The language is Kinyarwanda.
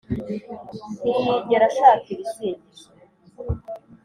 ntiyigera ashaka ibisingizo.